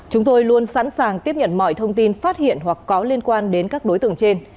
chúng tôi luôn sẵn sàng tiếp nhận mọi thông tin phát hiện hoặc có liên quan đến các đối tượng trên